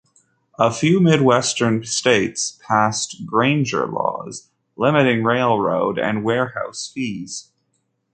A few Midwestern states passed "Granger Laws", limiting railroad and warehouse fees.